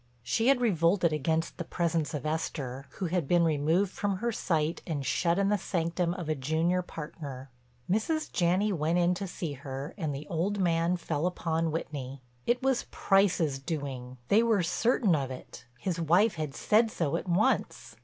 She had revolted against the presence of Esther, who had been removed from her sight and shut in the sanctum of a junior partner. Mrs. Janney went in to see her and the old man fell upon Whitney. It was Price's doing—they were certain of it, his wife had said so at once.